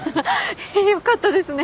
よかったですね。